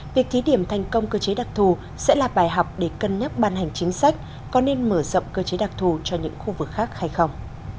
việc thí điểm thành công cơ chế đặc thù sẽ là bài học để cân nhắc ban hành chính sách có nên mở rộng cơ chế đặc thù cho những khu vực khác hay không